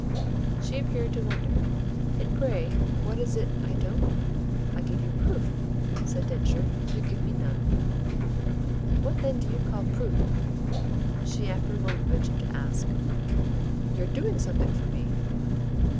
She appeared to wonder. "And pray what is it I don't ?" "I give you proof," said Densher. "You give me none." "What then do you call proof?" she after a moment ventured to ask. "Your doing something for me."